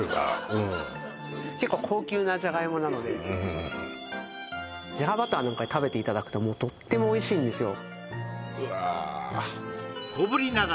うん結構高級なじゃがいもなのでなんかで食べていただくととってもおいしいんですよう